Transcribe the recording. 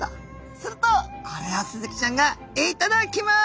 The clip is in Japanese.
するとこれをスズキちゃんが「いっただきます」。